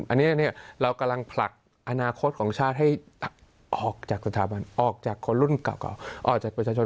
อันนี้เรากำลังผลักอนาคตของชาติให้ออกจากสถาบันออกจากคนรุ่นเก่าออกจากประชาชน